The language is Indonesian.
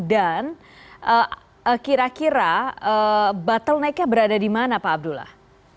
dan kira kira bottleneck nya berada di mana pak abdullah